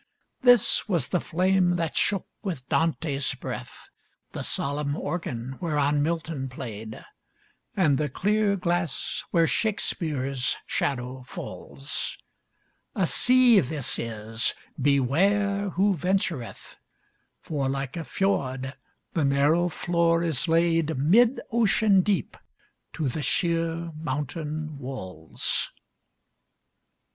This was the flame that shook with Dante's breath ; The solenm organ whereon Milton played, And the clear glass where Shakespeare's shadow falls : A sea this is — beware who ventureth I For like a fjord the narrow floor b laid Mid ocean deep to the sheer mountain walls.